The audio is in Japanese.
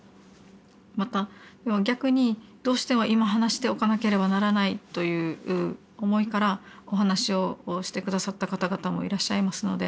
また逆にどうしても今話しておかなければならないという思いからお話をして下さった方々もいらっしゃいますので。